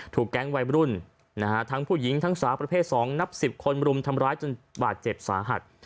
แก๊งวัยรุ่นทั้งผู้หญิงทั้งสาวประเภท๒นับ๑๐คนรุมทำร้ายจนบาดเจ็บสาหัส